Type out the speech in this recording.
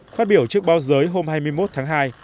phát biểu trước báo giới hôm hai mươi một tháng hai